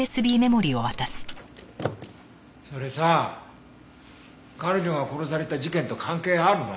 それさあ彼女が殺された事件と関係あるの？